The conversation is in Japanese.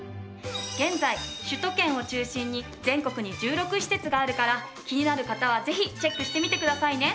現在首都圏を中心に全国に１６施設があるから気になる方はぜひチェックしてみてくださいね。